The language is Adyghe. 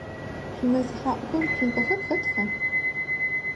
Шъуимэз хьаӏухэр, цумпэхэр хэтха?